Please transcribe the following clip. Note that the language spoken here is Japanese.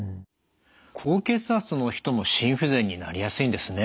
高血圧の人も心不全になりやすいんですね。